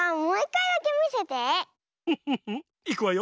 いくわよ。